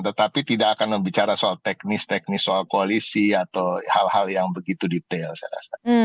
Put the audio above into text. tetapi tidak akan membicara soal teknis teknis soal koalisi atau hal hal yang begitu detail saya rasa